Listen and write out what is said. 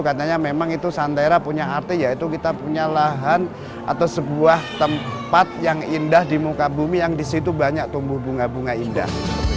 katanya memang itu santera punya arti yaitu kita punya lahan atau sebuah tempat yang indah di muka bumi yang disitu banyak tumbuh bunga bunga indah